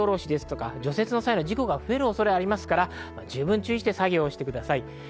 除雪の際の事故が増える恐れがありますから、十分注意して作業をしてください。